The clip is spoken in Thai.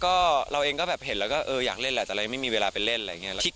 ก็เพราะว่าเราได้เข้าฉากด้วยกันตลอดได้อยู่ด้วยกันตลอด